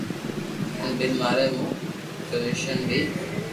ھي ين ٻاري مون ڪريجويݾن بي